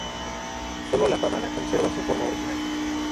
Solo la pavana conserva su forma original.